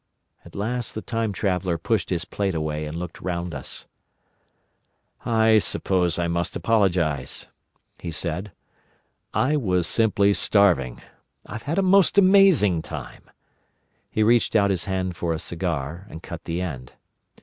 At last the Time Traveller pushed his plate away, and looked round us. "I suppose I must apologise," he said. "I was simply starving. I've had a most amazing time." He reached out his hand for a cigar, and cut the end.